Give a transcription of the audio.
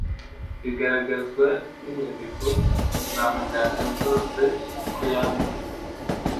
bigaragazwa n’inyandiko za muganga zose ko yanduye